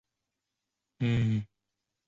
担任中国石油辽阳石油化工公司经理。